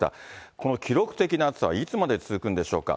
この記録的な暑さはいつまで続くんでしょうか。